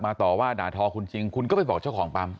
ต่อว่าด่าทอคุณจริงคุณก็ไปบอกเจ้าของปั๊ม